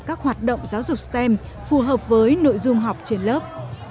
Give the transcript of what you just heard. các hoạt động giáo dục stem phù hợp với nội dung học trên lớp